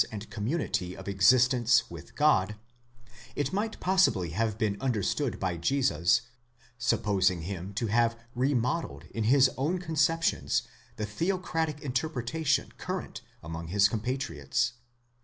289 and community of existence with God, it might possibly have been understood by Jesus, supposing him to have remodelled in his own conceptions the theocratic interpretation current among his compatriots.